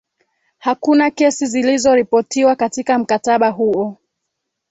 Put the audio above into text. hakuna kesi zilizoripotiwa katika mkataba huo